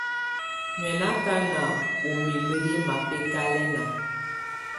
Mɛ̀ nɔ̀ akana ù mimǝ yɛ̀ mabɛkalɛna.